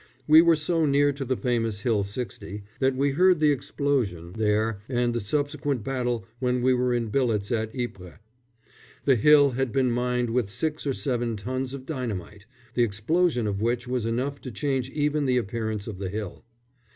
We were so near to the famous Hill 60 that we heard the explosion there and the subsequent battle when we were in billets at Ypres. The hill had been mined with six or seven tons of dynamite, the explosion of which was enough to change even the appearance of the hill.